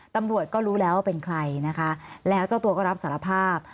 ตำรวจก็รู้แล้วว่าเป็นใครนะคะแล้วเจ้าตัวก็รับสารภาพ